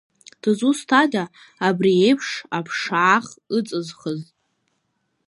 Дызусҭада абри еиԥш аԥшаах ыҵызхыз?